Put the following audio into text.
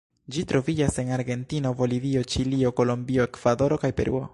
Ĝi troviĝas en Argentino, Bolivio, Ĉilio, Kolombio, Ekvadoro, kaj Peruo.